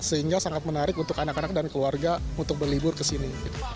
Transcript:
sehingga sangat menarik untuk anak anak dan keluarga untuk berlibur ke sini